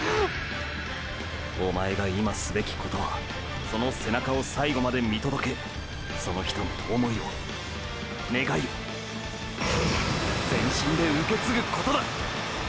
おまえが今すべきことはその背中を最後まで見届けその人の想いを願いを全身で受け継ぐことだ！！